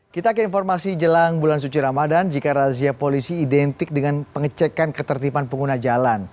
kita ke informasi jelang bulan suci ramadan jika razia polisi identik dengan pengecekan ketertiban pengguna jalan